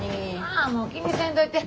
ああもう気にせんといて。